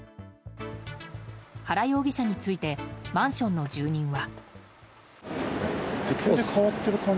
原容疑者についてマンションの住人は。